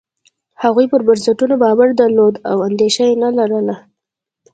هغوی پر بنسټونو باور درلود او اندېښنه یې نه لرله.